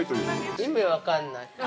◆意味分かんない。